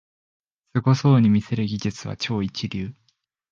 すごそうに見せる技術は超一流